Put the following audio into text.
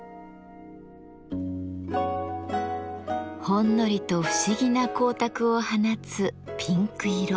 ほんのりと不思議な光沢を放つピンク色。